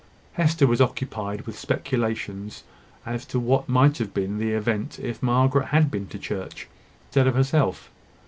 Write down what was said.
Hester was occupied with speculations as to what might have been the event if Margaret had been to church instead of herself.